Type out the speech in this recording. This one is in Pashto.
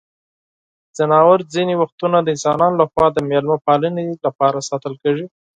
ځناور ځینې وختونه د انسانانو لخوا د مېلمه پالنې لپاره ساتل کیږي.